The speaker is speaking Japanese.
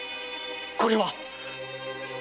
これは？